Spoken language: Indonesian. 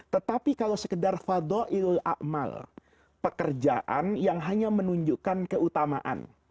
tetapi kalau sekedar fado'il a'mal pekerjaan yang hanya menunjukkan keutamaan